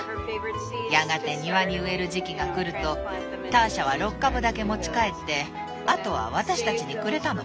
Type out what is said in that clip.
やがて庭に植える時期がくるとターシャは６株だけ持ち帰ってあとは私たちにくれたの。